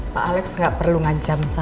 pak alex gak perlu ngancam saya maksud pak